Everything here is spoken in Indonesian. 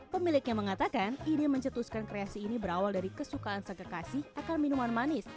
pemiliknya mengatakan ide mencetuskan kreasi ini berawal dari kesukaan senggekasi akan minuman manis